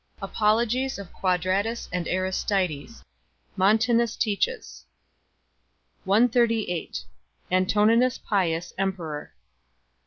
Apologies of Quadratus and Aristides. Montanus teaches. 138 Antoninus Pius emperor.